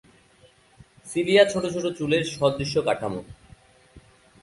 Cilia ছোট ছোট চুলের সদৃশ কাঠামো।